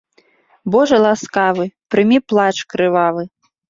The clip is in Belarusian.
Божа ласкавы, прымі плач крывавы.